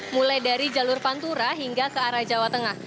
mulai dari jalur pantura hingga ke arah jawa tengah